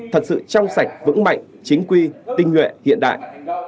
thật sự trong sạch vững mạnh chính quy tinh nguyện hiện đại